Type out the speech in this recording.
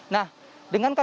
nah dengan kadar